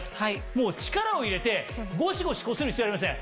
もう力を入れてゴシゴシこする必要はありません。